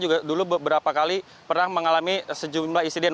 juga dulu beberapa kali pernah mengalami sejumlah insiden